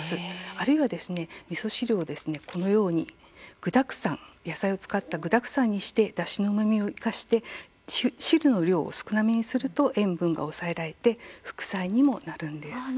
あるいは、みそ汁をこのように具だくさんで野菜を使ってだしのうまみを生かして汁の量を少なめにすると塩分が抑えられて副菜にもなるんです。